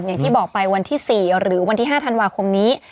อย่างที่บอกไปวันที่๔หรือวันที่๕ธันวาคมนี้